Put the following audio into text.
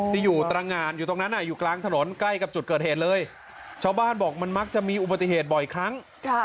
ที่อยู่ตรงานอยู่ตรงนั้นอยู่กลางถนนใกล้กับจุดเกิดเหตุเลยชาวบ้านบอกมันมักจะมีอุบัติเหตุบ่อยครั้ง